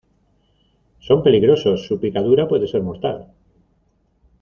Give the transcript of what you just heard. son peligrosos. su picadura puede ser mortal .